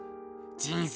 人生